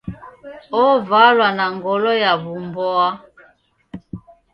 Ovalwa n a ngolo ya w'umboa.